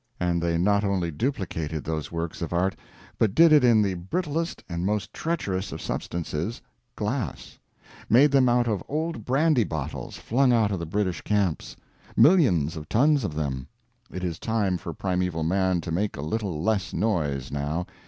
And they not only duplicated those works of art but did it in the brittlest and most treacherous of substances glass: made them out of old brandy bottles flung out of the British camps; millions of tons of them. It is time for Primeval Man to make a little less noise, now.